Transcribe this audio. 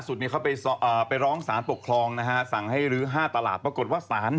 ส่วนอีกเรื่องนึงที่ต้องพูดถึงนะฮะวันนี้นะครับ